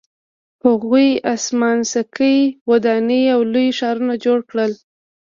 هغوی اسمان څکې ودانۍ او لوی ښارونه جوړ کړل